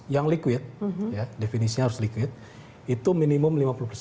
yang liquid definisinya harus liquid itu minimum lima puluh persen